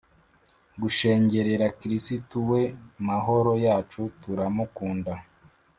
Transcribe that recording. gushengerera kristu we mahoro yacu turamukunda